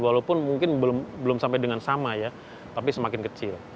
walaupun mungkin belum sampai dengan sama ya tapi semakin kecil